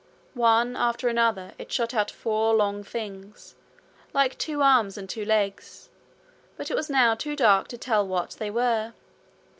One after another it shot out four long things, like two arms and two legs, but it was now too dark to tell what they were.